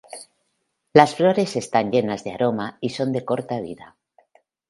Las flores están llenas de aroma y son de corta vida.